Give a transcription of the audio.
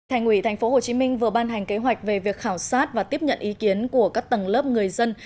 thành ủy tp hcm vừa ban hành kế hoạch về việc khảo sát và tiếp nhận ý kiến của các tầng lớp người dân